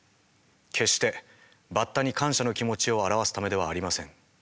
決してバッタに感謝の気持ちを表すためではありません。